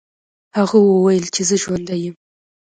هغه وویل چې زه ژوندی یم.